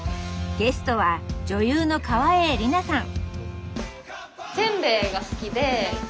ゲストは女優の川栄李奈さん